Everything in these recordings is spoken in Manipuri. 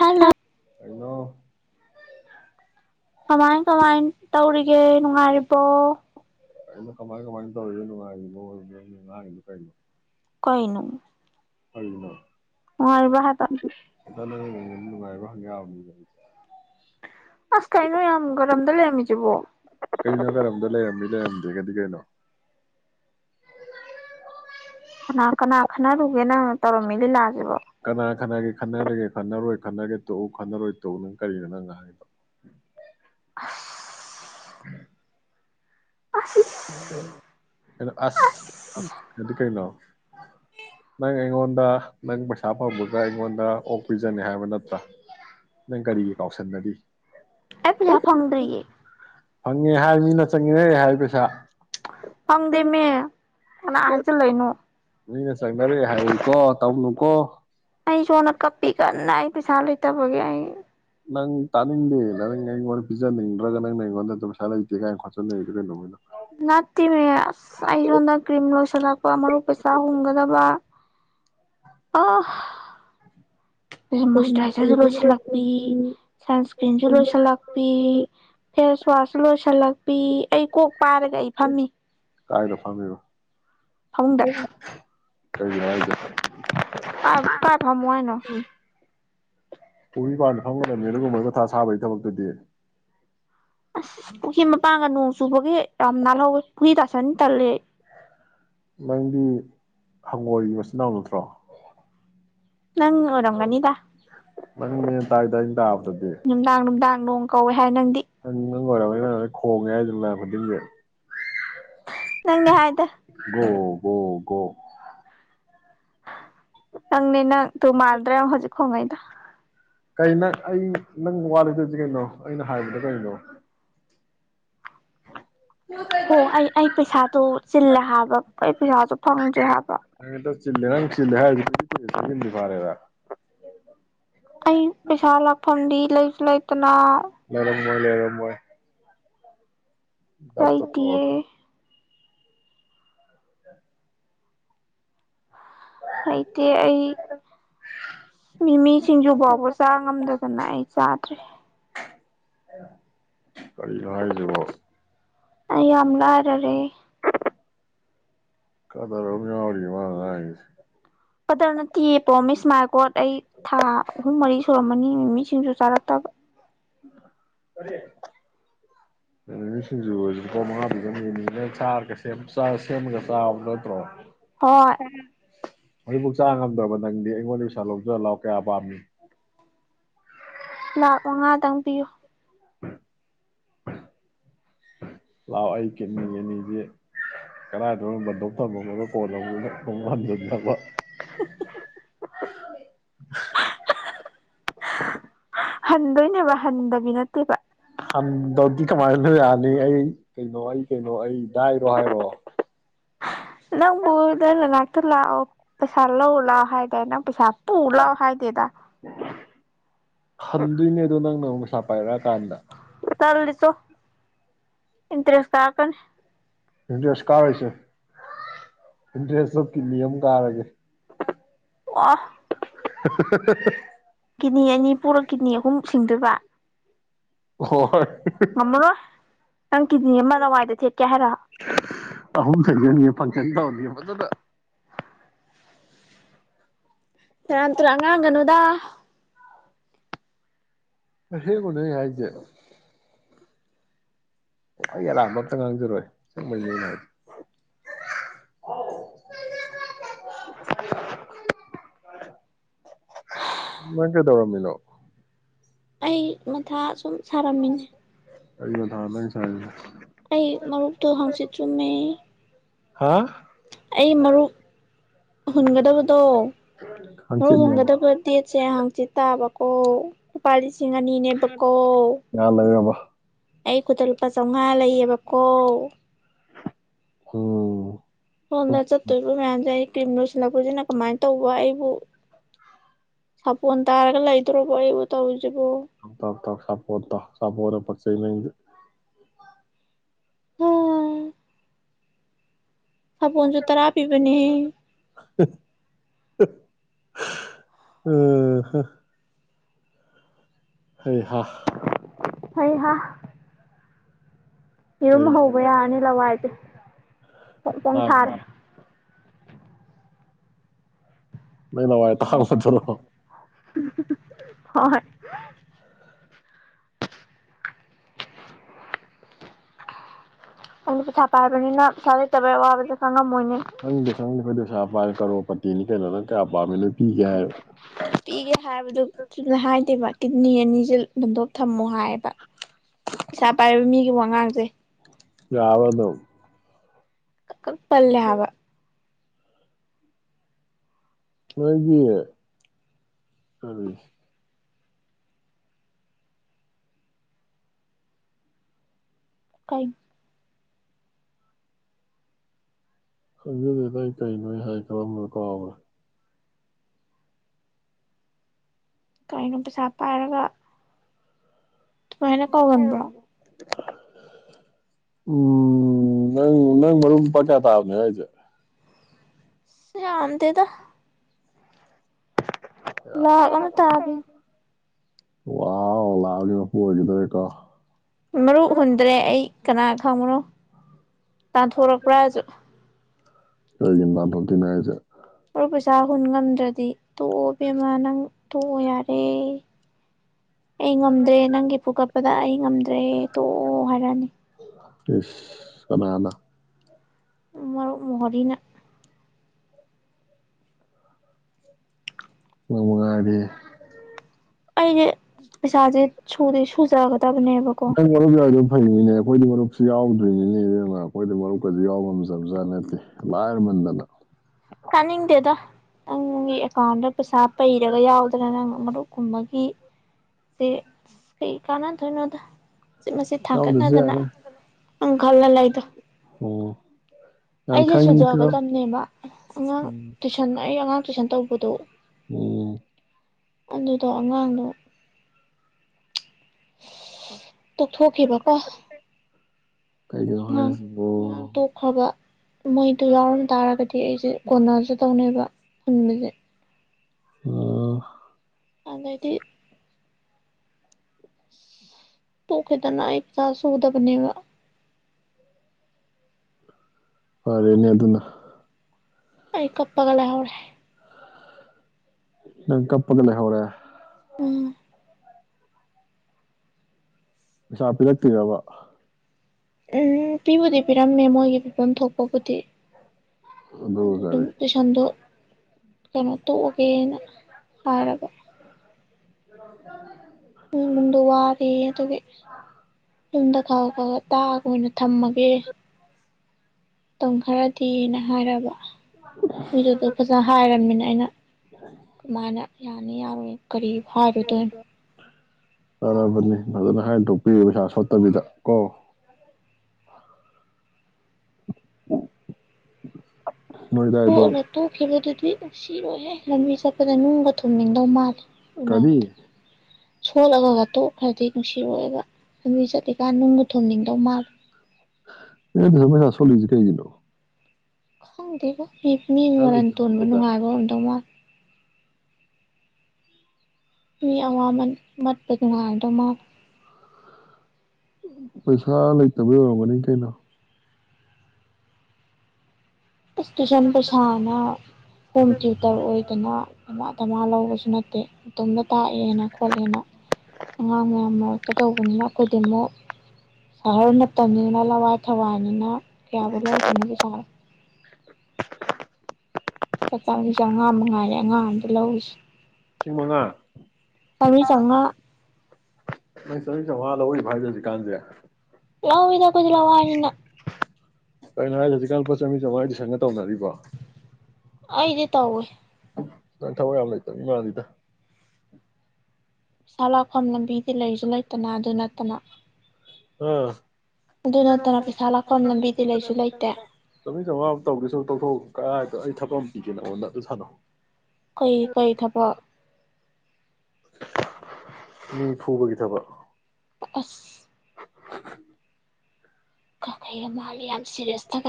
ꯍꯜꯂꯣ ꯍꯥꯂꯣ ꯀꯃꯥꯏ ꯀꯃꯥꯏ ꯇꯧꯔꯤꯒꯦ ꯅꯨꯡꯉꯥꯏꯔꯤꯕꯣ ꯑ ꯀꯃꯥꯏ ꯀ ꯃꯥꯏ ꯇꯧꯔꯤꯒꯦ ꯅꯨꯡꯉꯥꯢꯔꯤꯕ꯭ꯔꯣ ꯍꯥꯏ ꯉꯥꯡꯒꯤꯗꯣ ꯀꯩꯅꯣ ꯀꯩꯅꯣ ꯀꯩꯅꯣ ꯅꯨꯡꯉꯥꯏꯔꯤꯕ ꯍꯥꯏꯕ ꯐꯇ ꯅ ꯅꯨꯡꯉꯥꯏꯕ꯭ꯔ ꯍꯪ ꯌꯥꯕꯅꯤꯁꯦ ꯑꯁ ꯀꯩꯅꯣ ꯌꯥꯝ ꯒꯔꯝꯗ ꯂꯩꯔꯝꯃꯤꯁꯤꯕꯣ ꯀꯩꯅꯣ ꯒꯔꯃꯗ ꯂꯩꯔꯝꯃꯤ ꯂꯩꯔꯝꯗꯦꯒꯗꯤ ꯀꯩꯅꯣ ꯀꯥꯅꯥ ꯀꯅꯥ ꯈꯠꯅꯔꯨꯒꯦ ꯅꯪꯅ ꯇꯧꯔꯝꯃꯤ ꯂꯤꯂꯥꯖꯕꯨ ꯀꯅꯥ ꯈꯟꯅꯒꯦ ꯈꯟꯅꯔꯣꯢꯒꯦ ꯈꯟꯅꯔꯣꯏ ꯈꯟꯅꯒꯦ ꯇꯣꯛꯎ ꯈꯟꯅꯔꯣꯏ ꯇꯣꯛꯎ ꯀꯔꯤꯅꯣ ꯅꯪ ꯉꯡꯉꯤꯗꯣ ꯑꯁꯁꯁ ꯑꯁ ꯑꯁ ꯑꯗꯨ ꯀꯔꯤꯅꯣ ꯅꯪ ꯑꯩꯉꯣꯟꯗ ꯅꯪ ꯄꯩꯁꯥ ꯐꯪꯕꯗ ꯑꯩꯉꯣꯟꯗ ꯑꯣꯛ ꯄꯤꯖꯅꯤ ꯍꯥꯏꯕ ꯅꯠꯇ꯭ꯔꯥ ꯅꯪ ꯀꯔꯤꯒꯤ ꯀꯥꯎꯁꯟꯅꯔꯤ ꯑꯦ ꯄꯨꯖꯥ ꯐꯪꯗꯔꯤꯌꯦ ꯐꯪꯉꯦ ꯍꯥꯏ ꯃꯤꯅ ꯆꯪꯉꯤꯅꯦ ꯍꯥꯏ ꯄꯩꯁꯥ ꯐꯪꯗꯦꯃꯦ ꯀꯅꯥ ꯍꯥꯏꯖꯤꯜ ꯂꯛꯏꯅꯣ ꯃꯤꯅ ꯆꯪꯅꯔꯛꯏ ꯍꯥꯏꯌꯦꯀꯣ ꯇꯧꯅꯨꯀꯣ ꯑꯩ ꯁꯣꯟꯗ ꯀꯞꯄꯤ ꯀꯟꯅ ꯑꯩ ꯄꯩꯁꯥ ꯂꯩꯇꯕꯒꯤ ꯑꯩ ꯅꯪ ꯇꯥꯅꯤꯡꯗꯦ ꯅꯪ ꯑꯩꯉꯣꯟꯗ ꯄꯤꯖꯅꯤꯡꯗ꯭ꯔꯒ ꯅꯪ ꯅ ꯑꯩꯉꯣꯟꯗ ꯑꯗꯨꯝ ꯄꯩꯁꯥ ꯂꯩꯇꯦ ꯀꯥꯏ ꯈꯣꯠꯆ ꯂꯩ ꯀꯩꯗꯧꯕꯩꯅꯣ ꯅꯠꯇꯦꯃꯦ ꯑꯁ ꯑꯩ ꯁꯣꯝꯗ ꯀ꯭ꯔꯤꯝ ꯂꯣꯏꯁꯤꯜꯂꯛꯄ ꯃꯔꯨꯞ ꯄꯩꯁꯥ ꯑꯥ ꯑꯗꯒꯤ ꯃꯣꯁꯇꯨꯔꯥꯏꯖꯔꯁꯨ ꯂꯣꯏꯁꯤꯜꯂꯛꯄꯤ ꯁꯟꯁꯀ꯭ꯔꯤꯟꯁꯨ ꯂꯣꯏꯁꯤꯜꯂꯛꯄꯤ ꯐꯦꯁꯋꯥꯁꯁꯨ ꯂꯣꯏꯁꯤꯜꯂꯛꯄꯤ ꯑꯩ ꯀꯣꯛ ꯄꯥꯔꯒ ꯑꯩ ꯐꯝꯃꯤ ꯀꯥꯏꯗ ꯐꯝꯃꯤꯕ ꯐꯃꯨꯡꯗ ꯑꯍꯥ ꯀꯔꯤꯒꯤꯅꯣ ꯍꯥꯏꯖꯦ ꯀꯥ ꯀꯥꯢ ꯐꯝꯃꯨꯌꯥꯏꯅꯣ ꯄꯨꯈ꯭ꯔꯤ ꯃꯄꯥꯟꯗ ꯐꯝꯒꯗꯕꯅꯤ ꯑꯗꯨꯒꯨꯝꯕꯩ ꯀꯊꯥ ꯁꯥꯕꯒꯤ ꯊꯕꯛꯇꯨꯗꯤ ꯑꯁ ꯄꯨꯈ꯭ꯔꯤ ꯃꯄꯥꯡꯒ ꯅꯣꯡ ꯆꯨꯕꯒꯤ ꯌꯥꯝ ꯅꯥꯜꯍꯧꯋꯦ ꯄꯨꯈ꯭ꯔꯤ ꯇꯥꯥꯁꯟꯅꯤ ꯇꯜꯂꯦ ꯑꯩ ꯅꯪꯗꯤ ꯍꯪꯡꯉꯣꯏꯒꯤ ꯃꯆꯤꯟꯃꯅꯥꯎ ꯅꯠꯇ꯭ꯔꯣ ꯅꯪ ꯑꯣꯢꯔꯝꯒꯅꯤꯗ [unintelligible] ꯅꯨꯝꯗꯥꯡ ꯅꯨꯝꯗꯥꯡ ꯅꯣꯡ ꯀꯧꯋꯦ ꯊꯥꯏ ꯅꯪꯗꯤ ꯅꯪ ꯅꯪ ꯑꯣꯏꯣꯔꯝꯅꯤ ꯈꯣꯡꯉꯦ ꯍꯥꯏꯗꯣ ꯂꯥꯟ ꯈꯨꯗꯤꯡꯒꯤ ꯅꯪꯅꯦ ꯍꯥꯏꯗ ꯒꯣꯒꯣꯒꯣ ꯅꯪꯅꯦ ꯅꯪ ꯇꯨ ꯃꯥꯜꯗ꯭ꯔꯥ ꯌꯦꯡꯉꯣ ꯍꯧꯖꯤꯛ ꯈꯣꯡꯉꯛꯢꯗꯣ ꯀꯩꯅꯣ ꯅꯪ ꯑꯩ ꯅꯪ ꯋꯥ ꯂꯩꯊꯣꯛꯏꯁꯦ ꯀꯩꯅꯣ ꯑꯩꯅ ꯍꯥꯏꯕꯗ ꯀꯩꯅꯣ ꯍꯣ ꯑꯩ ꯑꯩ ꯄꯩꯁꯥ ꯗꯣ ꯆꯤꯜꯂꯦ ꯍꯥꯏꯕ ꯑꯩ ꯄꯩꯁꯥꯁꯨ ꯐꯪꯗ꯭ꯔꯤ ꯍꯥꯏ ꯍꯦ ꯗꯨꯠ ꯆꯤꯛꯂꯦ ꯅꯪ ꯆꯤꯜꯂꯦ ꯍꯥꯏꯔꯤꯖꯦ ꯀꯨꯢꯗꯤ ꯀꯨꯢꯔꯦ ꯆꯍꯤ ꯑꯃꯥꯗꯤ ꯐꯔꯦꯗ ꯑꯩ ꯄꯩꯁꯥ ꯂꯥꯛꯐꯝꯗꯤ ꯂꯩꯁꯨ ꯂꯩꯇꯅꯥ ꯂꯩꯔꯝꯃꯣꯏ ꯂꯩꯔꯝꯃꯣꯏ ꯇꯞ ꯇꯞ ꯋꯥꯢꯇꯤꯌꯦ ꯇꯧꯔꯒ ꯍꯩꯇꯦ ꯑꯩ ꯃꯤꯃꯤ ꯁꯤꯡꯖꯨ ꯐꯥꯎꯕ ꯆꯥ ꯉꯝꯗꯥꯗꯅ ꯑꯩ ꯆꯥꯗ꯭ꯔꯦ ꯀꯔꯤꯅꯣ ꯍꯥꯢꯁꯤꯕꯣ ꯑꯩ ꯌꯥꯝ ꯂꯥꯢꯔꯔꯦ ꯀꯥꯗ꯭ꯔ ꯑꯃꯥ ꯌꯥꯎꯔꯤꯌꯦ ꯃꯅꯤ ꯉꯥꯡꯉꯤꯁꯦ ꯀꯥꯗ꯭ꯔ ꯅꯠꯇꯤꯌꯦ ꯄ꯭ꯔꯣꯃꯤꯁ ꯃꯥꯏꯒꯣꯠ ꯑꯩ ꯊꯥ ꯑꯍꯨꯝ ꯃꯔꯤ ꯁꯨꯔꯝꯃꯅꯤ ꯃꯤꯃꯤꯁꯤꯡꯖꯨ ꯆꯥꯔꯛꯇꯕ ꯀꯔꯤ ꯀꯩꯅꯣ ꯃꯤꯃꯤ ꯁꯤꯡꯖꯨꯖꯤꯕꯣ ꯂꯨꯄꯥ ꯃꯉꯥ ꯄꯤꯕ ꯃꯤꯃꯤ ꯑꯃꯥ ꯂꯩꯔ ꯆꯔꯥꯒ ꯁꯦꯝꯃꯒ ꯆꯥꯕꯗꯣ ꯅꯠꯇ꯭ꯔꯣ ꯍꯣꯏ ꯎꯝ ꯑꯗꯨꯐꯥꯎ ꯆꯥ ꯉꯝꯗ꯭ꯔꯕ ꯅꯪꯗꯤ ꯑꯩꯉꯣꯟꯗꯒꯤ ꯄꯩꯁꯥ ꯂꯧꯖꯧ ꯂꯥꯎ ꯀꯌꯥ ꯄꯥꯝꯃꯤ ꯂꯥꯛ ꯃꯉꯥꯗꯪ ꯄꯤꯌꯨ ꯂꯥꯛꯑꯣ ꯑꯩ ꯀꯤꯇꯅꯤ ꯑꯅꯤꯁꯤ ꯀꯗꯥꯏꯗꯅꯣ ꯕꯟꯗꯣꯞ ꯊꯃꯨꯔꯒ ꯀꯣꯟꯅꯃꯨꯛ ꯄꯥꯟꯖꯤꯟꯅꯕ [unintelligible] [unintelligible] ꯍꯟꯗꯣꯏꯅꯦꯕ ꯍꯟꯗꯕꯤ ꯅꯠꯇꯦꯕ ꯍꯟꯗꯗꯤ ꯀꯃꯥꯏꯅ ꯌꯥꯅꯤ ꯑꯩ ꯀꯩꯅꯣ ꯑꯩ ꯀꯩꯅꯣ ꯑꯩ ꯗꯥꯏꯔꯣ ꯍꯥꯏꯔꯣ ꯅꯪꯕꯨ ꯅꯪ ꯅꯅꯥꯛ ꯇ ꯂꯥꯛꯑꯣ ꯄꯩꯁꯥ ꯂꯧ ꯂꯥꯎꯑꯣ ꯍꯥꯏꯗꯥꯏ ꯅꯪ ꯄꯩꯁꯥ ꯄꯨ ꯂꯥꯎꯑꯣ ꯍꯥꯏ ꯍꯥꯏꯗꯦꯗ ꯍꯟꯗꯣꯏꯅꯦ ꯑꯗꯨ ꯅꯪꯅ ꯃꯩꯛ ꯄꯩꯁꯥꯄꯥꯏꯔ ꯇꯂꯤꯆꯣ [inaudible] ꯏꯟꯇꯔꯦꯁ ꯀꯥꯔꯣꯏꯁꯦ ꯏꯟꯇꯔꯦꯁꯇꯣ ꯀꯤꯗꯅꯤ ꯑꯃꯥ ꯀꯥꯔꯒꯦ ꯋꯥ ꯍꯍꯦꯍꯦ ꯀꯤꯠꯅꯤ ꯑꯅꯤ ꯄꯨꯔ ꯀꯤꯠꯅꯤ ꯑꯍꯨꯝ ꯁꯤꯡꯗꯣꯏꯕ ꯍꯣ ꯍꯣꯏ ꯉꯝꯃꯥꯔꯣꯏ ꯅꯪ ꯀꯤꯗꯅꯦ ꯑꯃ ꯂꯋꯥꯏꯗ ꯊꯦꯠꯀꯦ ꯍꯥꯏꯔꯣ ꯑꯍꯨꯝ ꯂꯩꯒꯅꯤ ꯐꯪꯁꯟ [unintelligible] ꯁꯦꯔꯥꯟ ꯇꯨꯔꯥꯟ ꯉꯥꯡꯒꯅꯨꯗ ꯑꯁꯦꯡꯕꯅꯦ ꯑꯩ ꯍꯥꯏꯁꯦ ꯑꯩ ꯑꯔꯥꯟꯕ ꯑꯝꯇ ꯉꯥꯡꯖꯔꯣꯏ ꯁꯦꯡꯕꯅꯦ ꯍ ꯅꯪ ꯀꯩꯗꯧꯔꯝꯃꯤꯅꯣ ꯑꯩ ꯃꯊꯥ ꯁꯨꯝ ꯁꯥꯔꯝꯃꯤꯅꯤ ꯑꯩꯅ ꯅꯍꯥꯟ ꯂꯩꯕꯔꯥ ꯌꯦ ꯑꯩ ꯃꯔꯨꯞꯇꯨ ꯍꯥꯡꯆꯤꯠ ꯆꯨꯝꯃꯦ ꯍꯥ ꯑꯩ ꯃꯔꯨꯞ ꯍꯨꯟꯒꯗꯕ ꯗꯣ ꯃꯔꯨꯞ ꯍꯪꯆꯤꯠ ꯂꯦꯟꯕ ꯍꯨꯟꯒꯗꯕ ꯗꯦꯠꯁꯦ ꯍꯥꯡꯆꯤꯠ ꯇꯥꯕ ꯑꯣ ꯄꯥꯔꯤ ꯂꯤꯁꯤꯡ ꯑꯅꯤꯅꯦꯕꯀꯣ ꯉꯍꯥꯛ ꯂꯩꯔꯕ ꯑꯩ ꯈꯨꯠꯇ ꯂꯨꯄꯥ ꯆꯥꯝꯃꯉꯥ ꯂꯩꯌꯦꯕꯀꯣ ꯎꯝ ꯁꯣꯝꯗ ꯆꯠꯇꯣꯏꯕ ꯃꯌꯥꯝꯖꯦ ꯑꯩ ꯀ꯭ꯔꯤꯝ ꯂꯣꯏꯁꯤꯜꯂꯛꯄꯁꯤꯅ ꯀꯃꯥꯏꯅ ꯇꯧꯕ ꯑꯩꯕꯨ ꯁꯥꯄꯣꯟ ꯇꯥꯔꯒ ꯂꯩꯗ꯭ꯔꯣꯕꯣ ꯑꯩꯕꯨ ꯇꯧꯔꯤ ꯇꯥꯎ ꯇꯥꯎ ꯇꯥꯎ ꯁꯄꯣꯟ ꯇꯥꯎ ꯁꯄꯣꯟꯅ ꯐꯩ ꯆꯩ ꯂꯦꯡꯗꯦ ꯁꯥꯄꯣꯟꯁꯨ ꯇꯔꯥ ꯄꯤꯕꯅꯦ [inaudible] ꯑꯥ ꯍ ꯍꯩ ꯍꯥ ꯍꯩ ꯍꯥ ꯌꯦꯔꯨꯝ ꯀꯔꯤ ꯍꯧꯕ ꯌꯥꯔꯅꯤ ꯑꯇꯥꯡꯕꯗꯣ ꯂꯋꯥꯏꯁꯦ ꯐꯣꯡ ꯐꯣꯡ ꯁꯥꯔꯦ ꯅꯪ ꯂꯋꯥꯏ ꯇꯥꯡꯕꯗꯨꯔꯣ [inaudible] ꯍꯣꯏ ꯁꯣꯝꯗꯤ ꯄꯩꯁꯥ ꯄꯥꯏꯕꯅꯤꯅ ꯄꯩꯁꯥ ꯂꯩꯇꯕꯩ ꯑꯋꯥꯕꯁꯦ ꯈꯪꯉꯝ ꯆꯪꯗꯦ ꯆꯪ ꯑꯈꯣꯏ ꯄꯩꯁꯥ ꯄꯥꯏ ꯀꯔꯣ ꯄꯇꯤꯅꯤ ꯀꯩꯅꯣ ꯅꯪ ꯀꯌꯥ ꯄꯥꯝꯃꯤ [inaudible] ꯄꯤꯒꯦ ꯍꯥꯏꯕꯗꯨ ꯆꯨꯝꯅ ꯍꯥꯏꯗꯦꯕ ꯀꯤꯠꯅꯤ ꯑꯅꯤꯁꯦ ꯕꯟꯗꯣꯛ ꯊꯝꯃꯣ ꯍꯥꯏꯌꯦꯕ ꯄꯩꯁꯥ ꯄꯥꯏꯕ ꯃꯤꯒꯤ ꯋꯉꯥꯡꯁꯦ ꯌꯥꯕ꯭ꯔ ꯗꯨꯝ ꯑ ꯀꯪ ꯇꯜꯂꯦ ꯍꯥꯏꯕ ꯅꯣꯏꯒꯤ ꯑꯁ ꯀꯩꯝ ꯈꯪꯖꯗꯦꯗ ꯑꯩ ꯀꯩꯅꯣ ꯑꯩ ꯍꯥꯏ ꯈꯜꯂꯝꯕꯗꯣ ꯀꯥꯎꯒ꯭ꯔꯦ ꯀꯩꯅꯣ ꯄꯩꯁꯥ ꯄꯥꯏꯔꯒ ꯗꯨꯃꯥꯏꯅ ꯀꯥꯎꯒꯟꯕ꯭ꯔꯣ [inaudible] ꯎꯝ ꯅꯪ ꯅꯪ ꯃꯔꯨꯞ ꯂꯨꯄꯥ ꯀꯌꯥ ꯇꯕꯅꯣ ꯌꯥꯎꯖꯦ ꯌꯥꯝꯗꯦꯗ ꯂꯥꯛ ꯑꯃꯥ ꯑꯃ ꯇꯥꯕꯤꯅꯤ ꯇꯥꯕ ꯋꯥꯎ ꯂꯥꯛ ꯑꯃꯒꯤ ꯃꯄꯨ ꯑꯣꯏꯒꯤꯗꯧꯔꯦꯀꯣ ꯃꯔꯨꯞ ꯍꯨꯟꯗ꯭ꯔꯦ ꯑꯩ ꯀꯅꯥ ꯈꯪꯕꯅꯣ ꯇꯥꯟꯊꯣꯔꯛꯄ꯭ꯔꯥꯁꯨ ꯑꯗꯨꯗꯤ [unintelligible] ꯃꯔꯨꯞ ꯄꯩꯁꯥ ꯍꯨꯟ ꯉꯝꯗ꯭ꯔꯗꯤ ꯇꯣꯛꯑꯣ ꯕꯦꯝꯃ ꯅꯪ ꯇꯣꯛꯑꯣ ꯌꯥꯔꯦ ꯑꯩ ꯉꯝꯗ꯭ꯔꯦ ꯅꯪꯒꯤ ꯐꯨꯀꯠꯄꯗ ꯑꯩ ꯉꯝꯗ꯭ꯔꯦ ꯇꯣꯛꯑꯣ ꯍꯥꯏꯔꯛꯑꯅꯤ ꯏꯁ ꯀꯅꯥꯅ ꯃꯔꯨꯞ ꯃꯣꯍꯣꯔꯤꯅ ꯅꯨꯡꯉꯥꯏꯔꯦ ꯑꯩꯅꯦ ꯄꯩꯁꯥꯁꯦ ꯁꯨꯗꯤ ꯁꯨꯖꯔꯣ [unintelligible] ꯐꯩꯅꯤꯅꯦ ꯑꯩꯈꯣꯏꯗꯤ ꯃꯔꯨꯞꯁꯨ ꯌꯥꯎꯗ꯭ꯔꯤꯅꯤꯅꯦ ꯏꯕꯦꯝꯃ ꯑꯩꯈꯣꯏꯗ ꯃꯔꯨꯞꯀꯖꯦ ꯌꯥꯎꯕ ꯉꯝꯖꯕ ꯆꯥꯠ ꯅꯠꯇꯦ ꯂꯥꯏꯔꯃꯟꯗꯅ ꯇꯥꯅꯤꯡꯗꯦꯗ ꯅꯪꯪꯒꯤ ꯑꯦꯀꯥꯎꯟꯗ ꯄꯩꯁꯥ ꯄꯩꯔꯒ ꯌꯥꯎꯗꯅ ꯅꯪꯅ ꯃꯔꯨꯞ ꯀꯨꯝꯕꯒꯤ ꯁꯦ ꯑꯁ ꯀꯩ ꯀꯥꯟꯅꯗꯣꯏꯅꯣꯗ ꯆꯤꯠ ꯃꯆꯤꯠ ꯌꯥꯎꯗ꯭ꯔꯁꯨ ꯊꯥꯡꯒꯠꯅꯗꯅ ꯌꯥꯔꯦ ꯅꯪ ꯈꯜꯂ ꯂꯩꯗꯣ ꯎꯝ ꯌꯥꯝ ꯑꯩꯁꯦ ꯈꯪꯉꯤꯀꯣ ꯁꯨꯖꯒꯗꯝꯅꯦꯕ ꯑꯉꯥꯡ ꯎꯝ ꯇꯨꯏꯁꯟ ꯑꯩ ꯑꯉꯥꯡ ꯇꯨꯏꯁꯟ ꯇꯧꯕꯗꯣ ꯎꯝ ꯑꯗꯨꯗꯣ ꯑꯉꯥꯡꯗꯣ [inaudible] ꯇꯣꯛꯊꯣꯛꯈꯤꯕꯀꯣ ꯀꯩꯒꯤꯅꯣ ꯑꯉꯥꯡ ꯍꯥꯏꯁꯤꯕꯣ ꯑꯉꯥꯡ ꯇꯣꯛꯈ꯭ꯔꯕ ꯃꯣꯏꯗꯣ ꯌꯥꯎꯔꯝ ꯇꯥꯔꯒꯗꯤ ꯑꯩꯁꯦ ꯀꯣꯟꯅꯖ ꯇꯧꯅꯦꯕ ꯎꯕꯖ ꯑꯥ ꯑꯗꯩꯗꯤ ꯇꯣꯛꯀꯦꯗꯅ ꯑꯩ ꯄꯩꯁꯥ ꯁꯨꯗꯕꯅꯦꯕ ꯐꯔꯦꯅꯦ ꯑꯗꯨꯅ ꯑꯩ ꯀꯞꯄꯒ ꯂꯩꯍꯧꯔꯦ ꯅꯪ ꯀꯞꯄꯒ ꯂꯩꯍꯧꯔꯦ ꯎꯝ ꯄꯩꯁꯥ ꯄꯤꯔꯛꯇ꯭ꯔꯤꯔꯕ ꯑꯦ ꯄꯤꯕꯨꯗꯤ ꯄꯤꯔꯝꯃꯦ ꯃꯣꯏꯒꯤ ꯄꯝ ꯊꯣꯛꯄꯕꯨꯗꯤ ꯑꯗꯨꯒ ꯑꯗꯨꯗꯨꯝ ꯀꯔꯤ ꯇꯨꯏꯁꯟꯗꯣ ꯀꯩꯅꯣ ꯇꯣꯛꯑꯒꯦꯅ ꯍꯥꯏꯔꯕ [unintelligible] ꯃꯣꯏ ꯏꯃꯨꯡꯗꯣ ꯋꯥꯔꯦꯌꯦ ꯑꯗꯨꯒꯤ ꯌꯨꯝꯗ ꯈꯥꯒꯛ ꯈꯥꯒꯛ ꯇꯥꯛꯑꯒ ꯑꯣꯏꯅ ꯊꯝꯃꯒꯦ ꯃꯇꯝ ꯈꯔꯗꯤꯅ ꯍꯥꯏꯔꯕ ꯃꯤꯗꯨ ꯑꯗꯨ ꯐꯖꯅ ꯍꯥꯏꯔꯝꯅꯤꯅ ꯑꯩꯅ ꯀꯃꯥꯏꯅ ꯌꯥꯅꯤ ꯌꯥꯔꯣꯏ ꯀꯔꯤ ꯍꯥꯏꯔꯤꯒꯦ ꯐꯔꯕꯅꯤ ꯐꯖꯅ ꯍꯥꯏꯅ ꯊꯣꯛꯄꯤꯔꯤ ꯄꯩꯁꯥ ꯁꯣꯠꯇꯕꯤꯗ ꯀꯣ [inaudible] ꯑꯗꯥꯏꯗꯣ ꯇꯣꯛꯑꯣꯅ ꯇꯣꯛꯈꯤꯕꯗꯨꯗꯤ ꯃꯤꯠꯅ ꯁꯤꯔꯣ ꯍꯦ ꯂꯝꯕꯤ ꯆꯠꯄꯗ ꯅꯨꯡꯒ ꯇꯨꯝꯅꯤꯡꯗꯧ ꯃꯥꯟꯂꯦ ꯎꯅ ꯀꯔꯤ ꯁꯣꯠꯂꯒ ꯇꯣꯛ ꯈꯔꯗꯤ ꯅꯨꯡꯁꯤꯔꯣꯏ ꯑꯕ ꯂꯝꯃꯤ ꯆꯠꯂꯤꯀꯥꯟ ꯅꯨꯡꯅ ꯊꯦꯝꯅꯤꯡꯗꯧ ꯃꯥꯜꯂꯦ ꯑꯀꯣꯟꯕꯩꯖꯦ ꯀꯩꯒꯤꯅꯣ ꯈꯪꯗꯦ ꯃꯤ ꯃꯤ ꯄꯩꯁꯥ ꯃꯔꯜ ꯂꯩꯇꯕ ꯇꯣꯟꯕ ꯍꯧꯖꯤꯛꯀꯥꯟ. ꯅꯨꯡꯉꯥꯏꯕ ꯉꯝꯗꯧ ꯃꯥꯟ ꯃꯤ ꯑꯋꯥꯃꯟ ꯅꯠꯇꯦ [unintelligible] ꯄꯩꯁꯥ ꯂꯩꯇꯕꯒꯤ ꯑꯣꯏꯔꯝꯒꯅꯤ ꯀꯩꯅꯣ ꯑꯁ ꯇꯨꯏꯁꯟ ꯄꯩꯁꯥꯅ ꯍꯣꯝ ꯊꯤꯇꯔ ꯑꯣꯏꯗꯅ ꯗꯃꯥ ꯗꯃꯥ ꯂꯧꯕꯖ ꯅꯠꯇꯦ ꯇꯣꯟꯗ ꯇꯥꯛ ꯑꯦꯅ ꯈꯜꯂꯦ ꯃꯥ ꯑꯉꯥꯡ ꯃꯌꯥꯝ ꯃꯔꯛꯇ ꯇꯧꯕꯅꯤꯅ ꯈꯨꯗꯤꯃꯨꯛ ꯁꯍꯔ ꯅꯠꯇꯕꯅꯤꯅ ꯂꯋꯥꯏ ꯊꯋꯥꯏꯅꯤꯅ ꯀꯌꯥꯕꯨ ꯂꯥꯛꯇꯣꯏꯅꯣ ꯄꯩꯁꯥ [inaudible] ꯂꯧꯔꯤꯁꯦ ꯂꯤꯁꯤꯡ ꯃꯉꯥ ꯆꯥꯝꯃ꯭ꯔꯤ ꯆꯧꯉꯥ ꯂꯨꯄꯥ ꯆꯥꯝꯃ꯭ꯔꯤ ꯆꯧꯉꯥ ꯂꯧꯔꯤꯕꯣ ꯍꯥꯏꯁꯦ ꯍꯧꯖꯤꯛ ꯀꯥꯟꯁꯦ ꯂꯧꯏꯗ ꯑꯩ ꯈꯣꯏꯗꯤ ꯂꯋꯥꯏꯅꯤꯅ ꯀꯩꯅꯣ ꯍꯥꯏꯁꯤꯕꯣ ꯍꯧꯖꯤꯛꯀꯥꯟ ꯂꯨꯄꯥ ꯆꯥꯝꯃ꯭ꯔꯤ ꯆꯥꯝꯃꯉꯥꯗ ꯇꯨꯏꯁꯟꯒ ꯇꯧꯅꯔꯤꯕ ꯑꯩꯗꯤ ꯇꯧꯏ ꯅꯪ ꯊꯕꯛ ꯌꯥꯝ ꯂꯩꯇꯕ ꯃꯤꯃꯥꯜꯂꯤꯗ ꯄꯩꯁꯥ ꯂꯥꯛꯐꯝ ꯂꯝꯕꯤ ꯗꯤ ꯂꯩꯁꯨ ꯂꯩꯇꯅ ꯑꯗꯨ ꯅꯠꯇꯅ ꯑꯥ ꯑꯗꯨ ꯅꯠꯇꯅ ꯄꯩꯁꯥ ꯂꯥꯛꯐꯝ ꯂꯝꯕꯤꯗꯤ ꯂꯩꯁꯨ ꯂꯩꯇꯦ ꯆꯝꯃꯤ ꯆꯧꯉꯥ ꯇꯧꯗꯣꯏ ꯁꯔꯨꯛ ꯇꯣꯛꯊꯣꯛꯎ ꯀꯥꯏꯗꯣ ꯑꯩ ꯊꯛ ꯑꯃ ꯄꯤꯒꯦ ꯅꯉꯣꯟꯗ ꯑꯗꯨ ꯁꯥꯟꯅꯣ ꯀꯩ ꯀꯩ ꯊꯕꯛ ꯃꯤ ꯐꯨꯕꯒꯤ ꯊꯕꯛ ꯑꯁ [inaudible] [inaudible]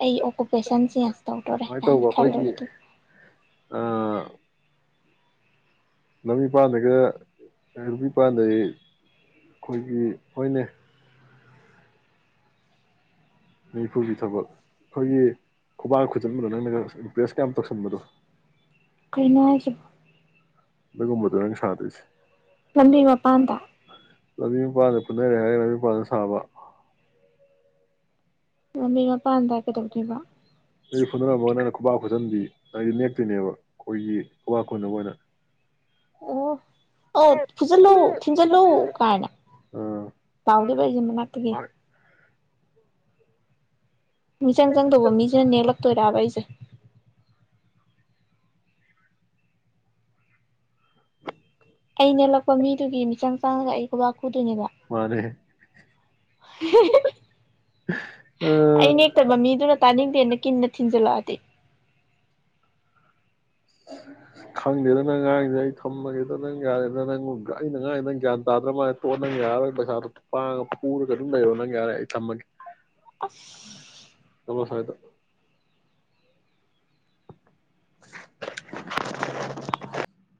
ꯑꯩ ꯑꯣꯀꯨꯄꯦꯁꯟ ꯆꯦꯟꯖ ꯇꯧꯗꯣꯔꯦ ꯁꯨꯃꯥꯏꯅ ꯀꯥꯏꯅ ꯇꯧꯕ ꯑꯩꯈꯣꯏꯒꯤ ꯈꯜꯂꯨꯔꯒ ꯑꯥ ꯂꯝꯕꯤ ꯄꯥꯟꯒ ꯑꯩꯈꯣꯏꯒꯤ ꯍꯣꯏꯅꯦ ꯅꯤꯐꯨꯒꯤ ꯊꯕꯛ ꯑꯩꯈꯣꯏꯒꯤ ꯈꯨꯕꯥꯀ ꯈꯨꯖꯤꯟꯕꯗꯣ ꯅꯪꯅꯒ ꯏꯞꯄꯦꯔꯁ ꯀ ꯌꯥꯝ ꯇꯧꯁꯟꯕꯗꯣ ꯀꯔꯤꯅꯣ ꯍꯥꯏꯁꯨ ꯅꯒꯨꯝꯕ ꯗꯅꯦ ꯁꯥꯗꯣꯏꯁꯦ ꯂꯝꯕꯤ ꯃꯄꯥꯟꯗ ꯂꯝꯕꯤ ꯃꯄꯥꯟꯗ ꯄꯨꯟꯅꯔꯦ ꯍꯥꯏꯔꯒ ꯂꯝꯕꯤ ꯃꯄꯥꯟꯗ ꯁꯥꯕ ꯂꯝꯕꯤ ꯃꯄꯥꯟꯗ ꯀꯩꯗꯧꯗꯣꯏꯔꯤꯕ ꯃꯤ ꯐꯨꯗꯔꯝꯃꯒ ꯅꯪꯅ ꯈꯨꯕꯥꯛ ꯈꯨꯖꯟꯕꯤ ꯅꯦꯛꯇꯣꯏꯅꯦꯕ ꯑꯩꯈꯣꯏꯒꯤ ꯈꯨꯕꯥꯛ ꯈꯨꯅꯕ ꯑꯣꯏꯅ ꯑꯣ ꯑ ꯐꯨꯖꯤꯜꯂꯨ ꯊꯤꯟꯖꯤꯜꯂꯨ ꯀꯥꯏꯅ ꯑꯥ ꯄꯥꯎꯗꯤ ꯂꯣꯢ ꯂꯩ ꯃꯅꯥꯛꯇꯒꯤ ꯍꯣꯏ ꯃꯤꯆꯪ ꯆꯪꯗꯧꯕ ꯃꯤꯁꯤꯅ ꯅꯦꯛꯂꯛꯇꯣꯏꯔꯛꯑꯕ ꯑꯩꯁꯦ [inaudible] ꯑꯩꯅ ꯅꯦꯛꯂꯛꯄ ꯃꯤꯗꯨꯒꯤ ꯃꯤꯆꯪ ꯆꯪꯉꯒ ꯑꯩ ꯈꯨꯕꯥꯛ ꯐꯨꯗꯣꯏꯅꯦꯕ ꯃꯥꯅꯦ ꯑꯩ ꯑꯥ ꯅꯦꯛꯇꯕ ꯃꯤꯗꯨꯅ ꯇꯥꯅꯤꯡ ꯇꯦꯅ ꯀꯤꯟꯅ ꯊꯤꯟꯖꯂꯛꯑꯗꯤ ꯈꯪꯗꯦꯗ ꯅꯪ ꯉꯥꯡꯉꯤꯗꯣ ꯑꯩ ꯊꯝꯃꯒꯦꯗ ꯅꯪ ꯌꯥꯔꯦꯗ ꯅꯪ ꯑꯩꯅ ꯉꯥꯡꯉꯤ ꯅꯪ ꯒ꯭ꯌꯥꯟ ꯇꯥꯗ꯭ꯔ ꯃꯥꯜꯂꯦ ꯇꯣ ꯅꯪ ꯌꯥꯔꯔꯣꯏ ꯄꯩꯁꯥꯗꯣ ꯄꯥꯡꯉꯒ ꯄꯨꯔꯒ ꯑꯗꯨꯝ ꯂꯩꯔꯣ ꯅꯪ ꯌꯥꯔꯦ ꯑꯩ ꯊꯝꯃꯒꯦ ꯑꯁ ꯑꯁ ꯍꯥꯏꯗꯣ [unintelligible]